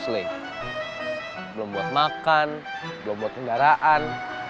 belum buat makan belum buat kendaraan